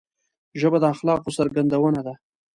ژبه د اخلاقو څرګندونه ده